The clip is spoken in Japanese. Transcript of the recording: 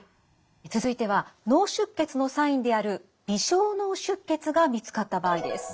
続いては脳出血のサインである微小脳出血が見つかった場合です。